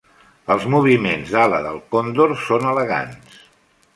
Els moviments d'ala del còndor són elegants.